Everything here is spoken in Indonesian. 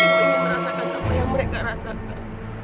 ingin merasakan apa yang mereka rasakan